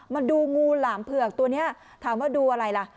มาดูงูหลามเผือกตัวนี้ถามว่าดูอะไรล่ะ